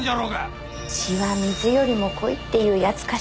「血は水よりも濃いっていうやつかしら」